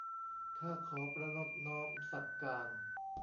ข้าขอประณตน้อมสักการ